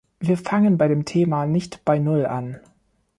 Wir fangen bei dem Thema nicht bei Null an.